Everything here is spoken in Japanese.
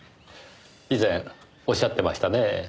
以前おっしゃってましたねえ。